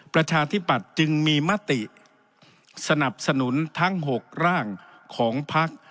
ประชาธิปัตย์จึงมีมติสนับสนุนทั้ง๖ร่างของพัก